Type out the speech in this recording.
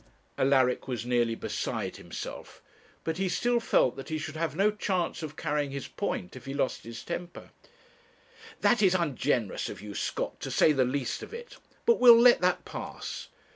Alaric was nearly beside himself; but he still felt that he should have no chance of carrying his point if he lost his temper. 'That is ungenerous of you, Scott, to say the least of it; but we'll let that pass.